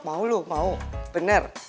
mau lu mau bener